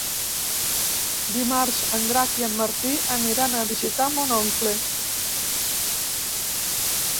Dimarts en Drac i en Martí aniran a visitar mon oncle.